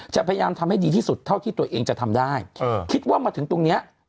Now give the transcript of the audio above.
พยายามทำให้ดีที่สุดเท่าที่ตัวเองจะทำได้คิดว่ามาถึงตรงนี้